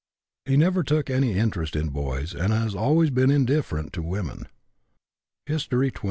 He never took any interest in boys, and has always been indifferent to women. HISTORY XXIV.